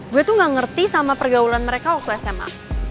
gue tuh gak ngerti sama pergaulan mereka waktu sma